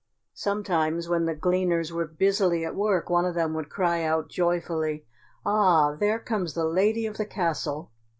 Sometimes when the gleaners were busily at work one of them would cry out joyfully, "Ah, there comes the lady of the castle."